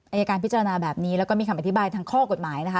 อายการพิจารณาแบบนี้แล้วก็มีคำอธิบายทางข้อกฎหมายนะคะ